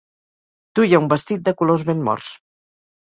Duia un vestit de colors ben morts.